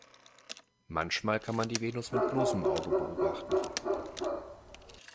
Manchmal kann man die Venus mit bloßem Auge beobachten.